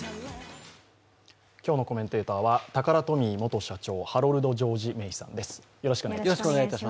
今日のコメンテーターはタカラトミー元社長、ハロルド・ジョージ・メイさんです。